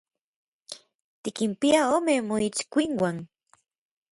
Tikinpia ome moitskuinuan.